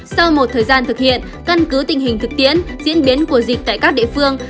sau một thời gian thực hiện căn cứ tình hình thực tiễn diễn biến của dịch tại các địa phương